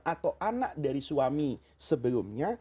atau anak dari suami sebelumnya